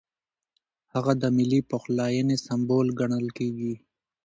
هغه د ملي پخلاینې سمبول ګڼل کېږي.